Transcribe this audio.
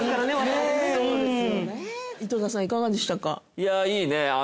いやいいね